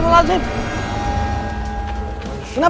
teman saya kecelakaan pak